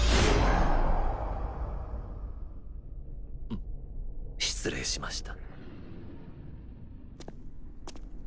ん失礼しました。